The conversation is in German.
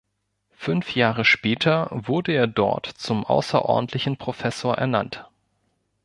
Fünf Jahre später wurde er dort zum außerordentlichen Professor ernannt.